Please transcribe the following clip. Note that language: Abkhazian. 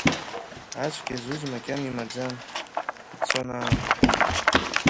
Ацәгьа зуз макьана имаӡан, ицон аамҭа.